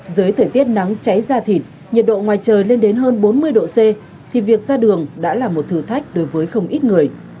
dưới thời tiết nắng cháy ra thịt nhiệt độ ngoài trời lên đến hơn bốn mươi độ c thì việc ra đường đã là một thử thách đối với không ít người